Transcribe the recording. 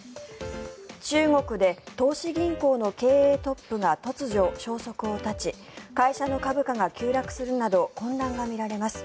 中国で投資銀行の経営トップが突如、消息を絶ち会社の株価が急落するなど混乱が見られます。